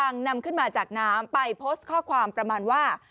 นำขึ้นมาจากน้ำไปโพสต์ข้อความประมาณว่า